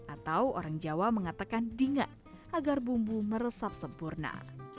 atau orang jawa mengatakan dingat agar bumbu meresap sempurna